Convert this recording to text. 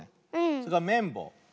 それからめんぼう。